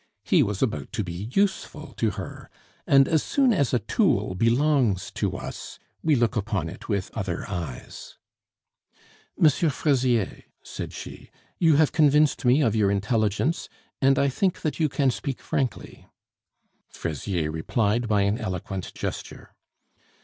He was about to be useful to her, and as soon as a tool belongs to us we look upon it with other eyes. "M. Fraisier," said she, "you have convinced me of your intelligence, and I think that you can speak frankly." Fraisier replied by an eloquent gesture.